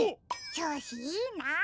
ちょうしいいな。